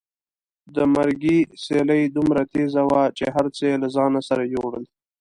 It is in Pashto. د مرګي سیلۍ دومره تېزه وه چې هر څه یې له ځان سره یوړل.